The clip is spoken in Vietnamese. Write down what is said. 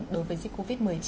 đối với dịch covid một mươi chín